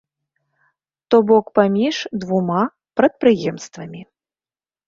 То бок паміж двума прадпрыемствамі.